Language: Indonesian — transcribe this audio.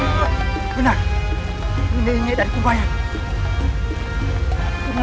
sampai jumpa di video selanjutnya